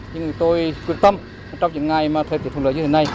nhưng tôi quyết tâm trong những ngày mà thời tiết thuận lợi như thế này